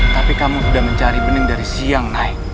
tapi kamu udah mencari bening dari siang nay